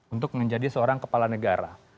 untuk menjadi seorang kepala negara